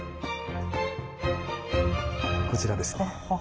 こちらですね。